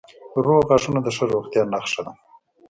روغ غاښونه د ښه روغتیا نښه ده.